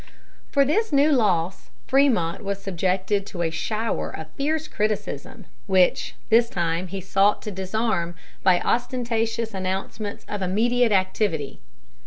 For this new loss, Frémont was subjected to a shower of fierce criticism, which this time he sought to disarm by ostentatious announcements of immediate activity.